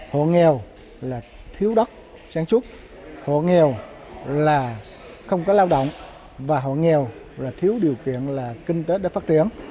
hộ nghèo là thiếu đất sản xuất hộ nghèo là không có lao động và hộ nghèo là thiếu điều kiện là kinh tế đã phát triển